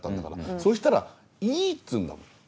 そしたら「いい」っつうんだもん。